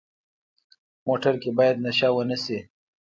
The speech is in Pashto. موټر کې باید نشه ونه شي.